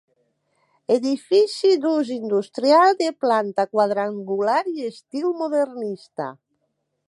Edifici d'ús industrial de planta quadrangular i estil modernista.